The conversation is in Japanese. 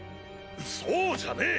そうじゃねぇ！